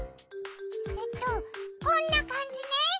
えっとこんな感じね。